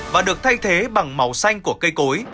và được thay thế bằng màu xanh của cây cối